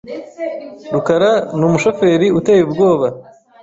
rukaranumushoferi uteye ubwoba.